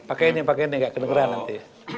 pakai ini pakai ini gak kedengeran nanti